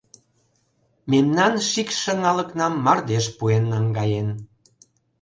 Мемнан шикш «шыҥалыкнам» мардеж пуэн наҥгаен.